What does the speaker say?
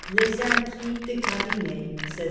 " Les intrigues de cabinet," says M.